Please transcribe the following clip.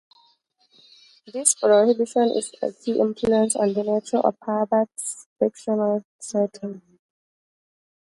This prohibition is a key influence on the nature of Herbert's fictional setting.